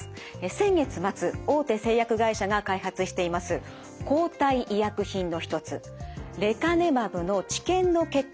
先月末大手製薬会社が開発しています抗体医薬品の一つレカネマブの治験の結果が発表されました。